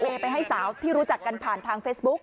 ไปให้สาวที่รู้จักกันผ่านทางเฟซบุ๊ค